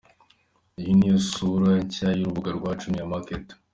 Iyi ni yo sura nshya y’urubuga rwa Jumia Market.